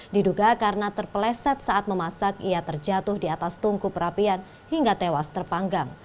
diduga karena terpeleset saat memasak ia terjatuh di atas tungku perapian hingga tewas terpanggang